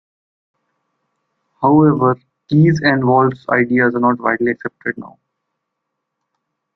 However, Keys and Wohletz' ideas are not widely accepted now.